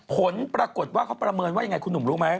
ผลปรากฏว่าเขาประเมินว่ายังไงคุณหนุ่มรู้ไหม